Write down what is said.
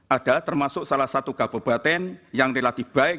ada termasuk salah satu kabupaten yang relatif baik